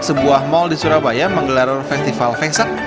sebuah mall di surabaya menggelar festival waisak